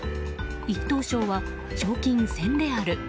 １等賞は賞金１０００レアル。